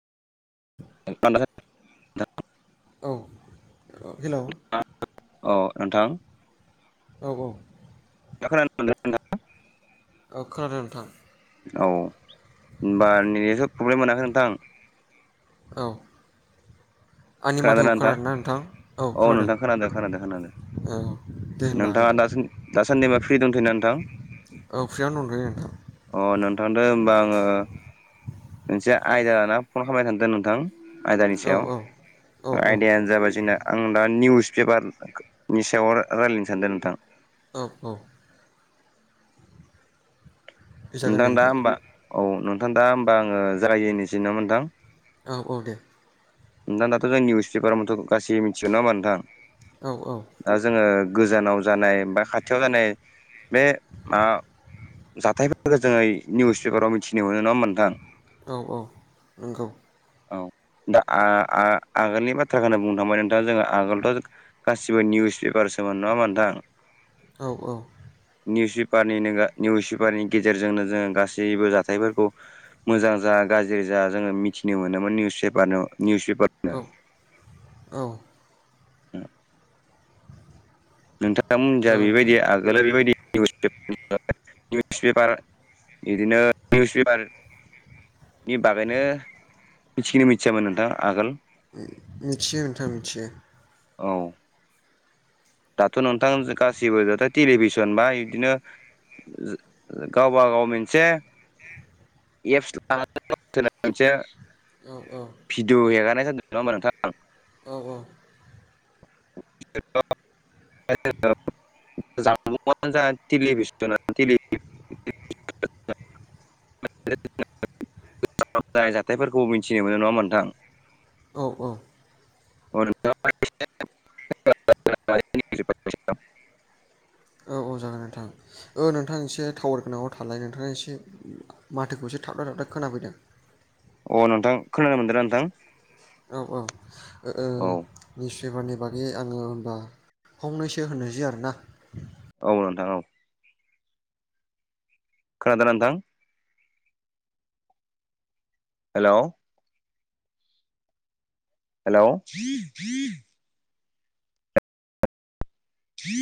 द [inaudible] फान्द [inaudible] औ हेलौ आ औ नोंथां औ औ द खोन मोना [unintelligible] ओ खोनादों नोंथां औ होनबा नेटनिथ' प्रब्लेम मोनाखै नोंथां औ खोनादों ना नोंथां ओ नोंथां खोनादों खोनादों खोनादों औ दे होनबा होनदो नोंथांआ दा दासान्दिबा फ्रि दंथोयोना नोंथां औ फ्रिआवनो दंथ'यो नोंथां अ नोंथांदो होमबा आङो मोनसे आयदा लाना फन खालामनाय थांदों नोंथां औ आयदानिसायाव औ औ औ आयदायानो जाबाय जोंना आं दा निउस पेपारनि सायाव रायज्लायनो सानदों नोंथां औ औ फैजागोन दे नोंथां दा होमबा औ नोंथां दा होमबा आङो जानाखि मोनथिनो मोनदों औ औ दे नोंथां दाथ' जों निउसपार मथ'यै जों गासिबो मिथियो नडा होमबा नोंथां औ औ दा जोङो गोजानाव जानाय बा खाथियाव जानाय बे मा जाथायफोरखौ जोङो निउस पेपाराव मिथिनो मोनो नङा नोंथां औ औ नोंगौ औ दा आ आ आगोलनि बाथ्राखौनो बुंनो थांबाय नोंथांआ जोङो आगोलथ' गासिबो निउस पेपारसोमोन नङा मोनोंथां औ-औ निउस पेपारनि निउस पेपारनि गेजेरजोंनो जोङो गासैबो जाथायफोरखौ मोजां जा गाज्रि जा जोङो मिथिनो मोनोमोन निउसार निउस पेपारनो औ औ [inaudible] नोंथाङाोनजहा जागोन नोंथां बेबायदि आगोलाव बेबायदि निउस निउस पेपार बिदिनो निउस पेपार नि बागैनो मिथिखिो मिथियामोन नोंथां आगोल मिथियो नोंथां मिथियो। औ दाथ' नोंथां गासिबो दाथ' टेलिभिसन बा इदिनो गावब गाव मोनसे एप्स लानानै मोनसे [inaudible] औ औ भिडिअ' हेगनाय जादों नङा होमबा नोंथां औ औ थ' [inaudible] ज जालि [unintelligible] [inaudible] जानाय जाथायफोरखौ मिथिनो मोनो नङामोन नोंथां औ-औ [unintelligible] औ-औ जागोन नोंथां ओ नोंथां एसे टावार गोनाङाव थालाय नोंथाङा एसे माथोखौ एसे थाबथाय थाबथाय खोनाफैदों अ नोंथां खोनानो मोनदोंना नोंथां? औ-औ ओ औ निउस पेपारनि बागै आङो होनबा फंनैसो होनोसै आरो ना औ नोंथां औ खोनादोंना नोंथां? हेल' हेल'